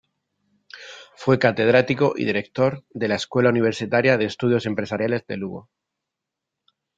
Fue catedrático y director de la Escuela Universitaria de Estudios Empresariales de Lugo.